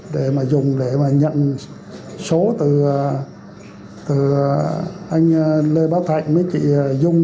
để mà dùng để mà nhận số từ anh lê bá thạnh với chị dung